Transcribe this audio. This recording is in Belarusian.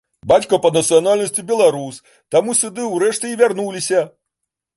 Бацька па нацыянальнасці беларус, таму сюды ўрэшце і вярнуліся.